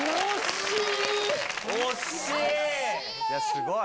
すごい。